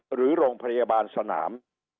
หรือโรงพยาบาลสนาม